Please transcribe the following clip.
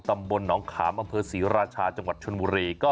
ตำบลหนองขามอำเภอศรีราชาจังหวัดชนบุรี